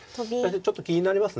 ちょっと気になります。